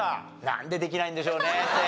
なんでできないんでしょうねって。